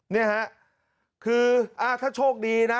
นี่ฮะคือถ้าโชคดีนะ